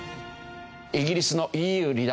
イギリスのＥＵ離脱